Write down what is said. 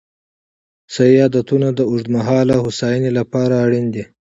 صحي عادتونه د اوږدمهاله هوساینې لپاره اړین دي.